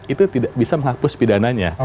itu tidak bisa menghapus pidananya